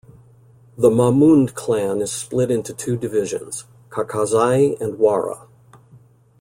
The Mamund clan is split into two divisions: Kakazai and Wara.